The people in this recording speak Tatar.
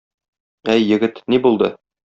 Әй, егет, ни булды?